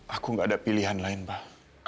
aku gak ada pilihan lain pak